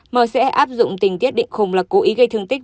m sẽ áp dụng tình tiết định không là cố ý gây thương tích